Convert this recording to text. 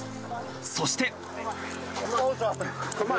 そして。